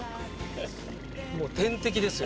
もう天敵ですよ。